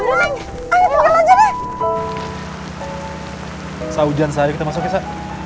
nggak usah hujan sa ayo kita masuk ya sa